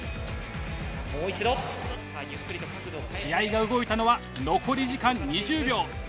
もう一度！試合が動いたのは残り時間２０秒。